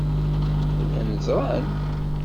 Llan ẓran.